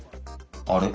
あれ？